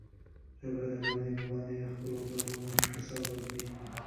سړی باید د ټولنې په وړاندې د خپلو کړنو حساب ورکړي.